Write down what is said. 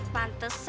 pantesan gak konsen